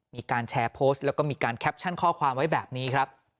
มีการแชร์โพสต์แล้วก็มีการแคปชั่นข้อความไว้แบบนี้ครับ